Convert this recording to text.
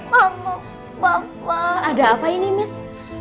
mama papa ada apa ini miss